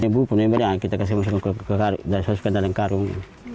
ini bu kita masukkan ke dalam karung